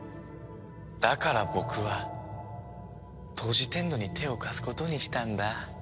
だから僕はトジテンドに手を貸すことにしたんだ。